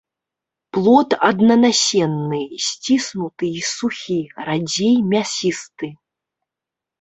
Плод аднанасенны, сціснуты і сухі, радзей мясісты.